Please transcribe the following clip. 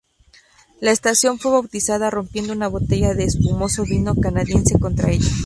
La estación fue bautizada rompiendo una botella de espumoso vino canadiense contra ella.